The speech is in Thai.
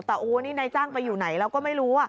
แต่โอ้นี่นายจ้างไปอยู่ไหนแล้วก็ไม่รู้